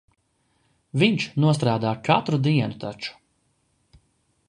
Viņš nostrādā katru dienu taču.